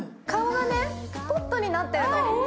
顔がポットになってるの。